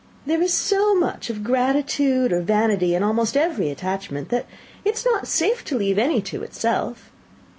There is so much of gratitude or vanity in almost every attachment, that it is not safe to leave any to itself.